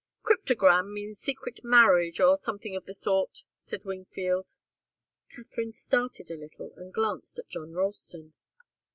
"Cryptogam means secret marriage, or something of the sort," said Wingfield. Katharine started a little and glanced at John Ralston.